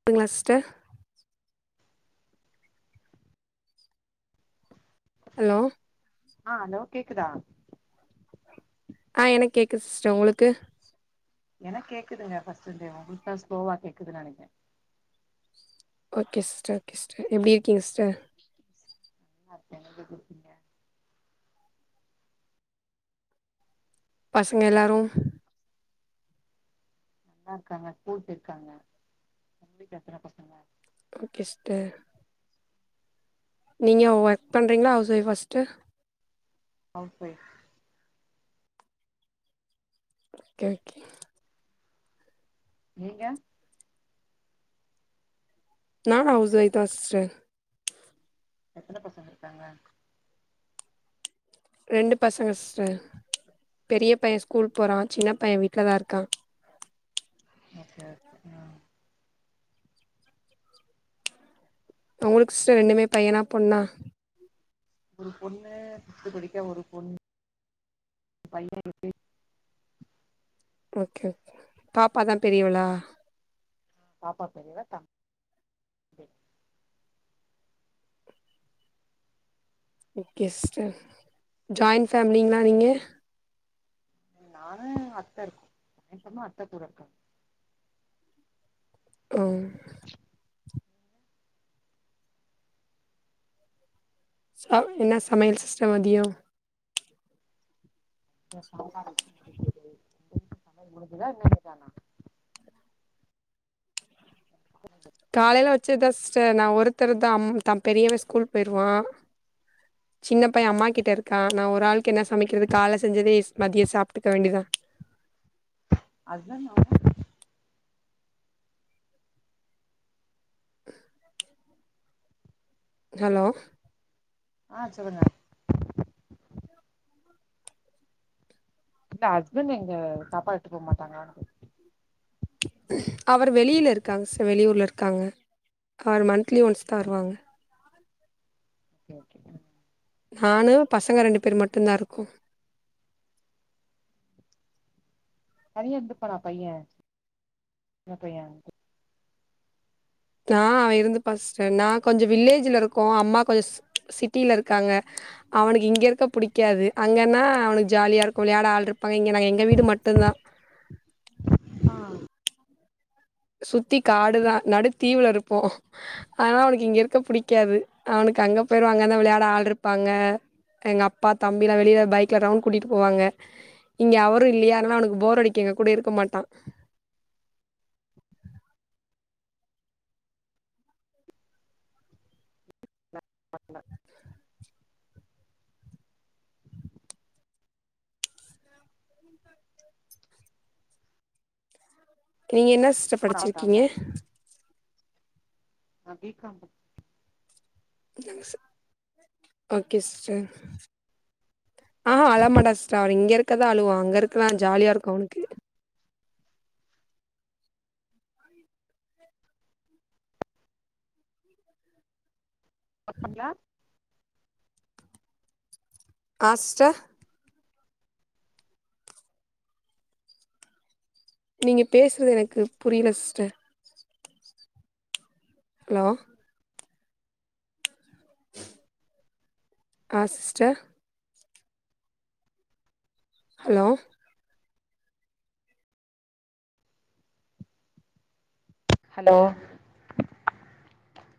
கேக்குதுங்களா sister hello ஆ hello கேக்குதா ஆ எனக்கு கேக்குது சிஸ்டர் உங்களுக்கு எனக்கு கேக்குதுங்க ஃபர்ஸ்ட் ல இருந்தே உங்களுக்குதா ஸ்லோவா கேக்குது நெனைக்க ஓகே சிஸ்டர் ஓகே சிஸ்டர் எப்டி இருக்கிங்க சிஸ்டர் [unintelligible] பசங்க எல்லாரு நல்லா இருக்காங்க ஸ்கூல் போயிருகாங்க உங்களுக்கு எத்தன பசங்க ஓகே சிஸ்டர் நீங்க ஒர்க் பண்றிங்களா ஹவுஸ் வைஃப் ஆ sister housewife okay okay நீங்க நானு ஹவுஸ் வைஃப் தா சிஸ்டர் எத்தன பசங்க இருக்காங்க ரெண்டு பசங்க சிஸ்டர் பெரிய பைய ஸ்கூல் போறா சின்ன பைய வீட்லதா இருக்கா ஓகே அ உங்களுக்கு சிஸ்டர் ரெண்டுமே பையனா பொண்ணா ஒரு பொண்ணு ஃபிப்த் படிக்கா ஒரு பொண்ணு [inaudible] பைய [inaudible] ஓகே ஓகே பாப்பாதா பெரியவளா பாப்பா பெரியவ தம் ஓகே சிஸ்டர் ஜாயிண்ட் ஃபேமிலிங்களா நீங்க ம் நானு அத்த இருக்கோ எனக்கு துணையா அத்த கூட இருக்காங்க ம் ச என்ன சமையல் சிஸ்டர் மதியோ இங்க சாம்பாரு வைச்சி முருங்க கீர பொறியல் உங்க வீட்ல சமையல் முடிஞ்சுதா இனிமேல் தானா காலயில வெச்சசுதா சிஸ்டர் நா ஒருத்தர் தா பெரியவ ஸ்கூல் போயிடுவா சின்ன பைய அம்மா கிட்ட இருக்கா நா ஒரு ஆளுக்கு என்ன சமைக்கிறது கால்ல செஞ்சதே மதியோ சாப்பிட்டுக்க வேண்டியதா அத்தா நமக்குத் ஹலோ ஆ சொல்லுங்க இல்ல ஹஸ்பண்ட் எங்க சப்பாட் எட்துட்டு போக மாட்டாங்ளா கேட் அவர் வெளியில இருக்காங் சிஸ் வெளியூர்ல இருக்காங்க அவர் மன்த்திலி ஒன்ஸ் தா வருவாங்க ஓகேங்க நானு பசங்க ரெண்டு பேர் மட்டுதா இருக்கோ தனியா இருந்துப்பானா பையே சின்ன பையே அ அவே இருந்துப்பா சிஸ்டர் நா கொஞ்சம் வில்லேஜ்ல இருக்கோ அம்மா கொஞ் சிட்டில இருக்காங்க அவனுக்கு இங்க இருக்க பிடிக்காது அங்கன்னா அவனுக்கு ஜாலியா இருக்கோ விளையாட ஆள் இருப்பாங்க இங்க நா எங்க வீடு மட்டுந்தா ஆ சுத்தி காடுதா நடு தீவுல இருப்போ ஆனா அவனுக்கு இங்க இருக்க புடிக்காது அவனுக்கு அங்க போயருவாங்க தான் விளையாட ஆள் இருப்பாங்க எங்க அப்பா தம்பிலா வெளியில பைக்ல ரவுண்ட் கூட்டிட்டு போவாங்க இங்க அவரூம் இல்லயா அதனால அவனுக்கு போர் அடிக்கும் எங்கூடா இருக்காமாட்டான் பாட் னர் நீங்க என்ன சிஸ்டர் ஆ தாங்க படிச்சிருக்கீங்க நா B com but [inaudible] okay sister அ ஆ அழமாட்டா சிஸ்டர் அவ இங்க இருக்கதா அழுவா அங்க இருக்க ஜாலியா இருக்கோ அவனுக்கு ஓர்க் பன்றியா ஆ சிஸ்டர் நீங்க பேசுறது எனக்கு புரியல சிஸ்டர் ஹலோ ஆ சிஸ்டர் ஹலோ ஹலோ